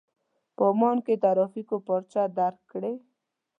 په عمان کې ترافيکو پارچه درکړې.